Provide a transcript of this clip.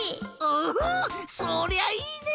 おおそりゃいいね！